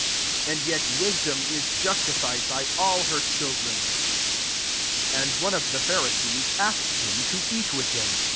35 And yet wis dom is justified by [all] her children." 36 And one of the Pharisees asked him to eat with him.